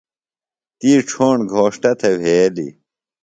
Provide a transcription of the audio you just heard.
تی ڇھوݨ گھوݜٹہ تھےۡ وھیلیۡ۔